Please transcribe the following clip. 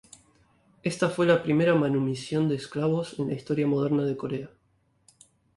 Esta fue la primera manumisión de esclavos en la historia moderna de Corea.